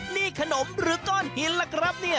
นี่ขนมหรือกล้อนหินล่ะครับ